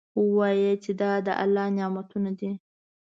ووایه چې دا د الله نعمتونه دي.